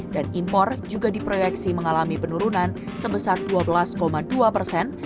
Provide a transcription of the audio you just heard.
dan impor juga diproyeksi mengalami penurunan sebesar dua belas dua persen